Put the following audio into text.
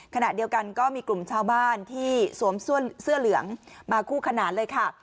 ขณะเดียวกันก็มีกลุ่มชาวบ้านที่สวมเสื้อเหลืองมาคู่ขนานเลยค่ะ